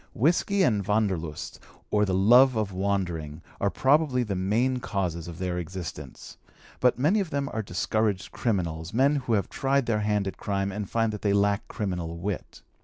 Whisky and Wanderlust, or the love of wandering, are probably the main causes of their existence; but many of them are discouraged criminals, men who have tried their hand at crime and find that they lack criminal wit.